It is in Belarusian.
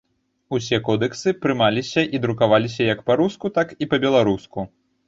Усе кодэксы прымаліся і друкаваліся як па-руску, так і па-беларуску.